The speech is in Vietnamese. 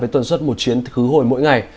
với tuần suốt một chuyến khứ hồi mỗi ngày